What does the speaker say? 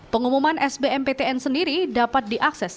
pengumuman sbmptn sendiri dapat diakses